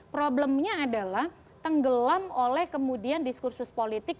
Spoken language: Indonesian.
problemnya adalah tenggelam oleh kemudian diskursus politik